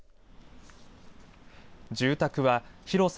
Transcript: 住宅は広さ